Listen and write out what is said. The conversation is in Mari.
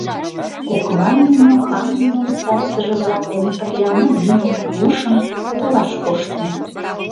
Коклан нуно ханын моло сарзыже-влак дене пырля марийым, рушым толаш коштыныт.